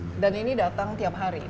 dan ini datang tiap hari